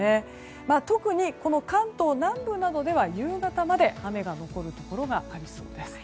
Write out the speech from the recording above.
特に、関東南部などでは夕方まで雨が残るところがありそうです。